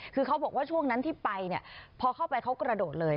คือเขาบอกว่าช่วงนั้นที่ไปเนี่ยพอเข้าไปเขากระโดดเลย